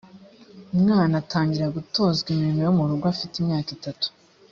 umwana atangira gutozwa imirimo yo mu rugo afite imyaka itatu